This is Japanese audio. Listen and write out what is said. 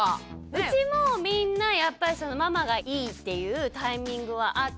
うちもみんなやっぱりそのママがいいっていうタイミングはあって。